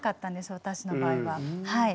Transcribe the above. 私の場合ははい。